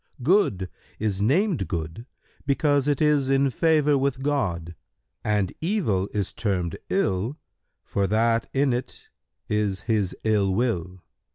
Good is named good, because it is in favour with God, and evil is termed ill, for that in it is His ill will.